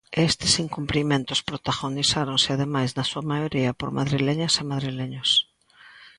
Estes incumprimentos protagonizáronse ademais na súa maioría por madrileñas e madrileños.